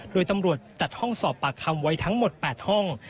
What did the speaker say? โดยตำรวจจัดห้องสอบปากคำไว้ทั้งหมด๘ห้อง